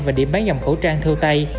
và điểm bán dòng khẩu trang theo tay